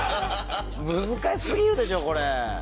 難し過ぎるでしょこれ。